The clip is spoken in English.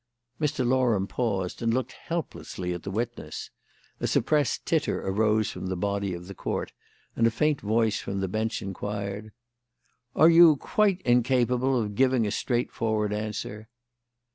Mr. Loram paused and looked helplessly at the witness; a suppressed titter arose from the body of the Court, and a faint voice from the bench inquired: "Are you quite incapable of giving a straightforward answer?"